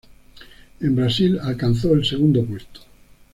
En Brasil alcanzó el segundo puesto.